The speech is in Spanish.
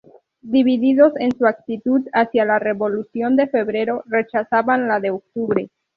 Divididos en su actitud hacia la Revolución de Febrero, rechazaban la de Octubre.